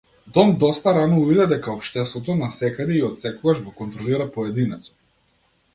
Дон доста рано увиде дека општеството насекаде и отсекогаш го контролира поединецот.